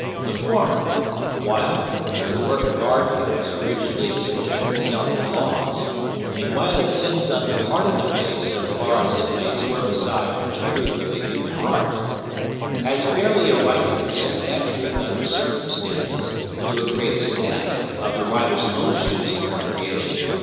The former—while, as a work of art, it must rigidly subject itself to laws, and while it sins unpardonably so far as it may swerve aside from the truth of the human heart—has fairly a right to present that truth under circumstances, to a great extent, of the writer's own choosing or creation.